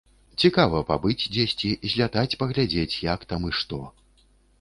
Цікава пабыць дзесьці, злятаць, паглядзець, як там і што.